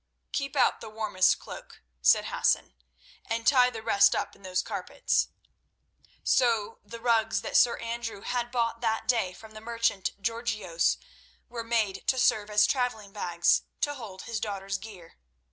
"Keep out the warmest cloak," said Hassan, "and tie the rest up in those carpets." So the rugs that Sir Andrew had bought that day from the merchant Georgios were made to serve as travelling bags to hold his daughter's gear.